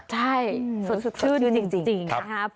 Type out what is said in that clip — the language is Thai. ใช่สดชื่นจริงครับ